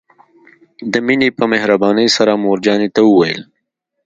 مينې په مهربانۍ سره مور جانې ته وويل.